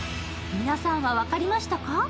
皆さんは分かりましたか？